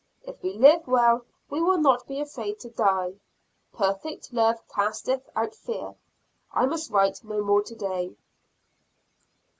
If we live well, we will not be afraid to die. "Perfect love casteth out fear." I must write no more today.